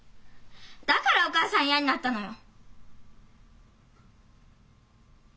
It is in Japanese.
だからお母さん嫌になったのよ。